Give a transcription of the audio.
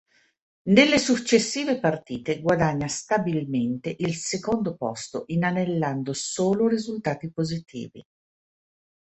Nelle successive partite guadagna stabilmente il secondo posto inanellando solo risultati positivi.